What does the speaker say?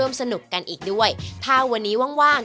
ยอมท่าน